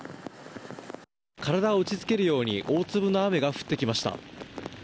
体を打ち付けるように大粒の雨が降ってきました。